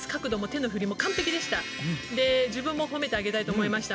自分も褒めてあげたいと思いました。